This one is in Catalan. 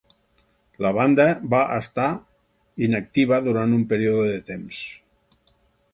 La banda va estar inactiva durant un període de temps.